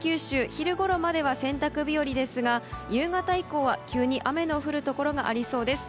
昼ごろまでは洗濯日和ですが夕方以降は急に雨の降るところがありそうです。